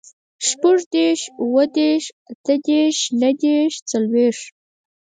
شپوږدېرش, اوهدېرش, اتهدېرش, نهدېرش, څلوېښت